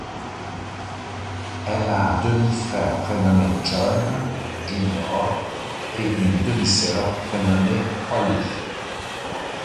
Elle a un demi-frère prénommé John Junior et une demi-sœur prénommée Holly.